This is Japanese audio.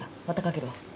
またかけるわ。